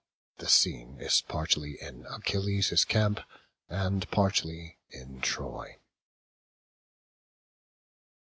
The scene is partly in Achilles' camp, and partly in Troy.